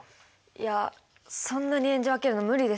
いやそんなに演じ分けるの無理ですよ。